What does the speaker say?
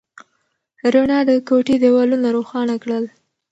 رڼا د کوټې دیوالونه روښانه کړل.